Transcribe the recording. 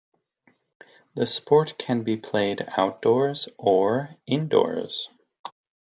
The sport can be played outdoors or indoors.